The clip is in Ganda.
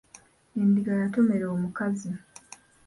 Endiga yatomera omukazi.